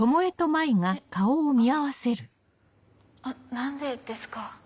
何でですか？